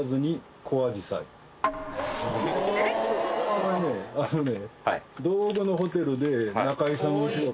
これねあのね。